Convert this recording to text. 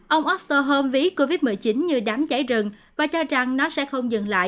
ông osterholm ví covid một mươi chín như đám cháy rừng và cho rằng nó sẽ không dừng lại